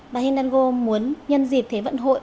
bà annine dango muốn nhân dịp thế vận hội